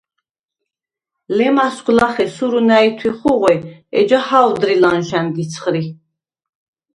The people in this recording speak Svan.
ლემასგვ ლახე სურუ ნა̈ჲთვი ხუღვე, ეჯა ჰა̄ვდრი ლა̈ნშა̈ნდ იცხრი.